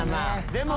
でも。